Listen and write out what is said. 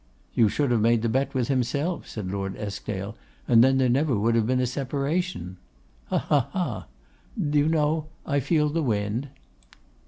'You should have made the bet with himself,' said Lord Eskdale, 'and then there never would have been a separation.' 'Hah, hah, hah! Do you know, I feel the wind?